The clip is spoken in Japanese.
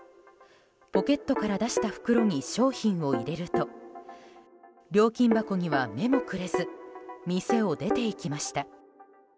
ポケットから出した袋に商品を入れると料金箱には目もくれず店を出ていきました。